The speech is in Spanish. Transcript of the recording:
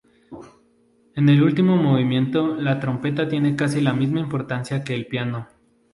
En el último movimiento la trompeta tiene casi la misma importancia que el piano.